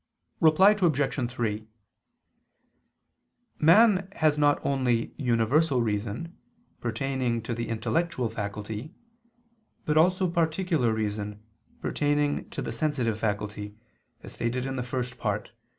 Reply Obj. 3: Man has not only universal reason, pertaining to the intellectual faculty; but also particular reason pertaining to the sensitive faculty, as stated in the First Part (Q.